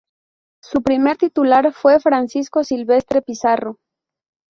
Su primer titular fue Francisco Silvestre Pizarro.